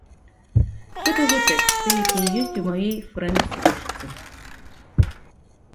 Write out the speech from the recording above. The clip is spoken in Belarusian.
Гэта ўжо тэксты, якія ёсць у маёй фрэнд-стужцы.